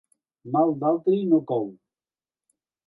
Mal d'altri no cou.